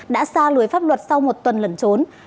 đã xa lưới pháp luật sau một tuần lẩn trốn